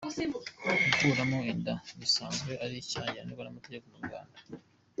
Gukuramo inda bisanzwe ari icyaha gihanwa n’amategeko mu Rwanda.